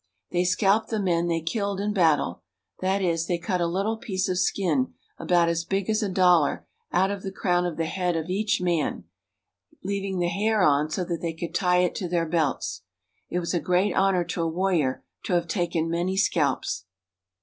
They scalped the men they killed in battle ; that is, they cut a httle piece of skin, about as big as a dollar, out of the crown of the head of each man, leaving the hair on so that they could tie it to their belts. It was a great honor to a warrior to have taken many scalps.